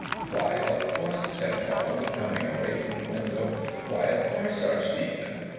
"Why, of course," said Hogg, coming away from the window. "Why, of course, Archdeacon.